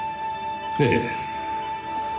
ええ。